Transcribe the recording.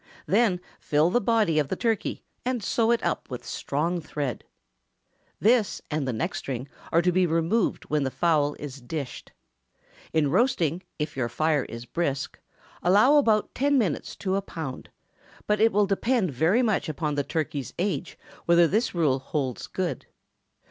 Then fill the body of the turkey, and sew it up with strong thread. This and the neck string are to be removed when the fowl is dished. In roasting, if your fire is brisk, allow about ten minutes to a pound; but it will depend very much upon the turkey's age whether this rule holds good.